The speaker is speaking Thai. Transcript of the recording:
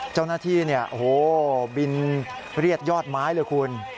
เจ้าหน้าที่เนี่ยโอ้โหบินเรียกยอดไม้เลยคุณ